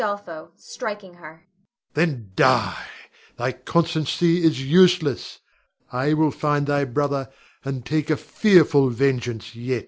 [striking her]. Then die: thy constancy is useless. I will find thy brother and take a fearful vengeance yet.